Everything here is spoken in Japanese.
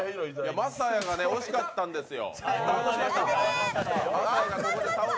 晶哉が惜しかったんですよ。